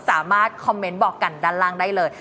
สามารถคอมเมนต์บอกกันด้านล่างได้เลย